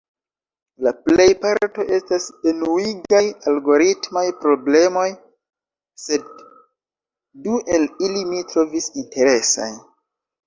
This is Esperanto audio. La plejparto estas enuigaj algoritmaj prblemoj, sed du el ili mi trovis interesaj: